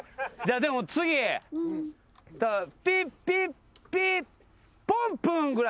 でも次ピッピッピッポンブン！ぐらいでいけば。